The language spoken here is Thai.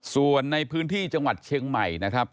ส่วนในพื้นที่จังหวัดเชียงใหม่นะครับ